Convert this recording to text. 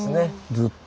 ずっと。